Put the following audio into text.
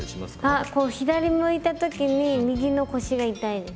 あっこう左向いた時に右の腰が痛いです。